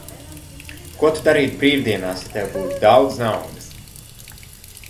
Ko tu darītu brīvdienās, ja tev būtu daudz naudas?